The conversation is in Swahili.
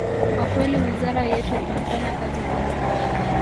Kwa kweli wizara yetu imefanya kazi kubwa